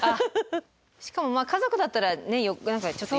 しかも家族だったらね何かちょっと。